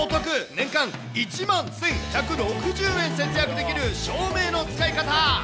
年間１万１１６０えん節約できる照明の使い方。